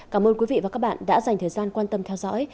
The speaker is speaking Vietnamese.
cảm ơn quý vị và các bạn đã dành thời gian quan tâm theo dõi